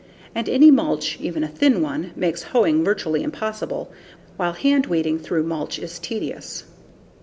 And any mulch, even a thin one, makes hoeing virtually impossible, while hand weeding through mulch is tedious.